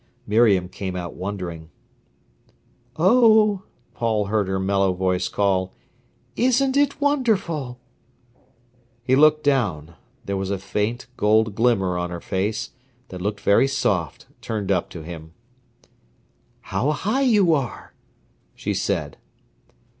Miriam came out wondering. "Oh!" Paul heard her mellow voice call, "isn't it wonderful?" He looked down. There was a faint gold glimmer on her face, that looked very soft, turned up to him. "How high you are!" she said.